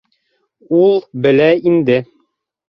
Ул белә инде...